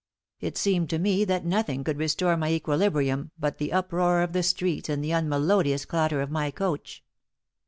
It seemed to me that nothing could restore my equilibrium but the uproar of the streets and the unmelodious clatter of my coach.